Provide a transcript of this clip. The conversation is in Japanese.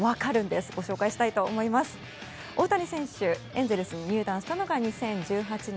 エンゼルスに入団したのが２０１８年。